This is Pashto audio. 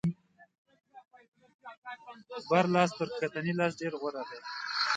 بر لاس تر ښکتني لاس نه ډېر غوره دی.